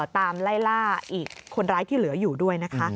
ตามไล่ล่าอีกคนร้ายที่เหลืออยู่ด้วยนะคะ